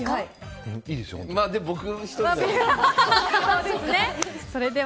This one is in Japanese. でも僕１人なんで。